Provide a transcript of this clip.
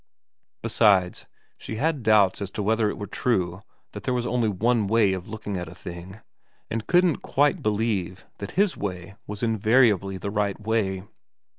Besides, she had doubts as to whether it were true that there was only one way of looking at a thing, and couldn't quite believe that his way was invariably the right way.